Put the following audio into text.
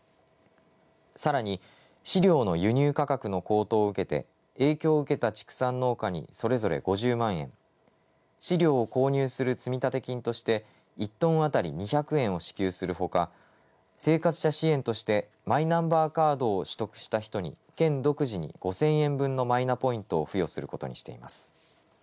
さらに飼料の輸入価格の高騰を受けて影響を受けた畜産農家にそれぞれ５０万円飼料を購入する積立金として１トン当たり２００円を支給するほか生活者支援としてマイナンバーカードを取得した人に県独自に５０００円分のマイナポイントを付与することにしています。